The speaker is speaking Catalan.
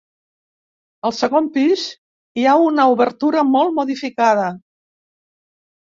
Al segon pis hi ha una obertura molt modificada.